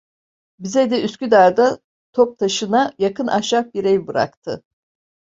Bize de Üsküdar'da, Toptaşı'na yakın ahşap bir ev bıraktı.